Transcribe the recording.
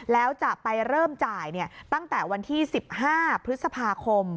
แล้วจะไปเริ่มจ่ายตั้งแต่วันที่๑๕พฤษภาคม